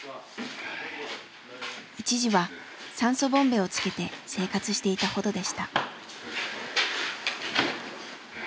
一時は酸素ボンベをつけて生活していたほどでした。